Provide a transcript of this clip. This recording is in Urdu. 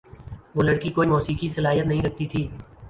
وہ لڑکی کوئی موسیقی صلاحیت نہیں رکھتی تھی۔